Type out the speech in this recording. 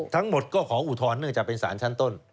ทั้งหมดก็ขออุทธรณเนื่องจากเป็นสารชั้นต้น